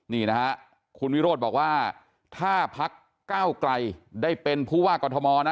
นี่นะฮะคุณวิโรธบอกว่าถ้าพักก้าวไกลได้เป็นผู้ว่ากรทมนะ